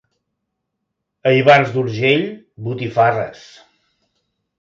A Ivars d'Urgell, botifarres.